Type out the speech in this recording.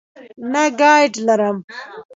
نه ګائیډ لرم.